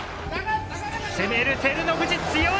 攻める照ノ富士強い！